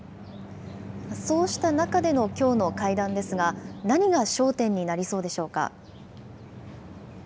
そうした中でのきょうの会談ですが、何が焦点になりそうでしょうか。